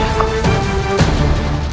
terima kasih bunda